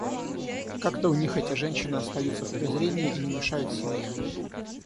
Как-то у них эти женщины остаются в презрении и не мешают семье.